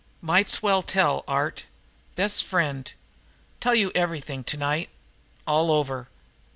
"Might s'well tell Art best friend tell you everything tonight all over.